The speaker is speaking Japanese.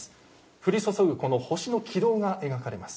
降り注ぐ星の軌道が描かれます。